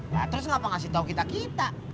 ya terus kenapa ngasih tau kita kita